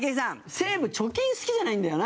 西武貯金、好きじゃないんだよな。